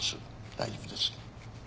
大丈夫です。